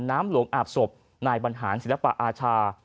น้ำหลวงอาบศพนายบรรหารศิลปะอาชา